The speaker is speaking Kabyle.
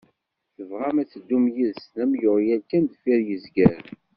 Bɣan ad teddum yid-sen am yeɣyal kan deffir izgaren.